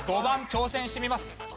５番挑戦してみます。